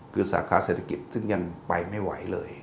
คือสาขาเศรษฐกิจซึ่งยังไปไม่ไหวเลย